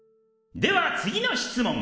では次の質問